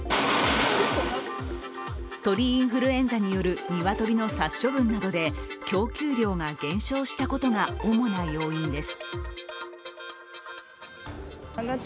鳥インフルエンザによる鶏の殺処分などで供給量が減少したことが主な要因です。